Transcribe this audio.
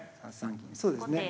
そうですね。